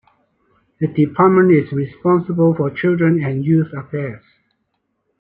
The department is responsible for children and youth affairs.